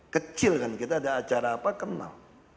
kecil kan kita ada acara apa kenal